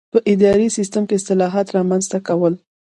په اداري سیسټم کې اصلاحات رامنځته کول.